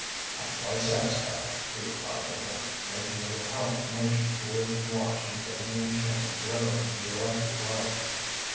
"I'm quite satisfied," he replied to her, making a repellant motion towards the watch and dangling chain glittering in the electric light.